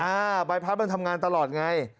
ใบพัดมันทำงานตลอดไง